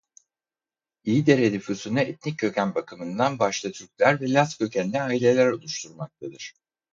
İyidere nüfusunu etnik köken bakımından başta Türkler ve Laz kökenli aileler oluşturmaktadır.